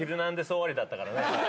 終わりだったからね。